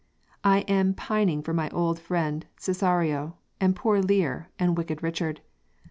I am pining for my old friend Cesario, and poor Lear, and wicked Richard.